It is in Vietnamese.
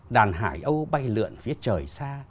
đàn hải âu bay lượn phía trời xa